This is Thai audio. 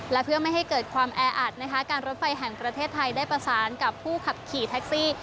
และเพื่อไม่ให้เกิดความแออัดนะคะการรถไฟแห่งประเทศไทยได้ประสานกับผู้ขับขี่แท็กซี่